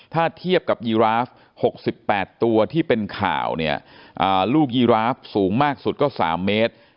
ถ้าเทียบกับยีราฟ๖๘ตัวที่เป็นข่าวเนี่ยลูกยีราฟสูงมากสุดก็๓เมตร